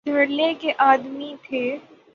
دھڑلے کے آدمی تھے۔